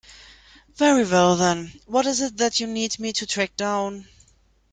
Very well then, what is it that you need me to track down?